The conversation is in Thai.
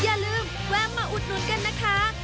อย่าลืมแวะมาอุดหนุนกันนะคะ